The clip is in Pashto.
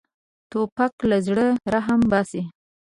توپک له زړه رحم باسي.